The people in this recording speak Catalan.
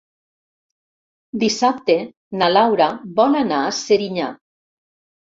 Dissabte na Laura vol anar a Serinyà.